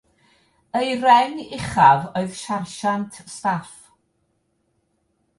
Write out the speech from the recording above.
Ei reng uchaf oedd sarsiant staff.